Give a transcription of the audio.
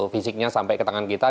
fisiknya sampai ke tangan kita